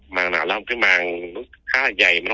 màng nào là cái màng khá là dày